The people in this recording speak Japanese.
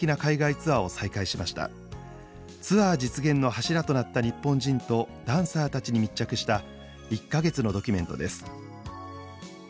ツアー実現の柱となった日本人とダンサーたちに密着した１か月のドキュメントです。